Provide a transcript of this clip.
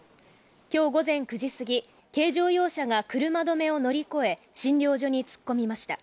きょう午前９時過ぎ、軽乗用車が車止めを乗り越え、診療所に突っ込みました。